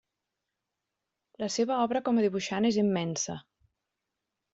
La seva obra com a dibuixant és immensa.